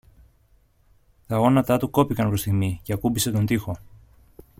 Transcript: Τα γόνατά του κόπηκαν προς στιγμή και ακούμπησε τον τοίχο.